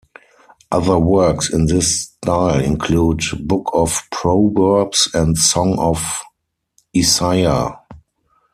Other works in this style include "Book of Proverbs" and "Song of Isaiah".